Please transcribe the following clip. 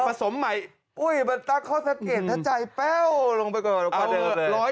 ผสมใหม่อุ้ยมันตั้งข้อสักเกตถ้าใจแป้วลงไปก่อนกว่าเดิมเลย